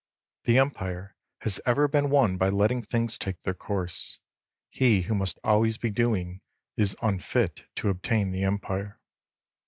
The Empire has ever been won by letting things take their course. He who must always be doing is unfit to obtain the Empire.